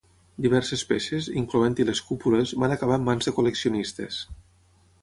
Diverses peces, incloent-hi les cúpules, van acabar en mans de col·leccionistes.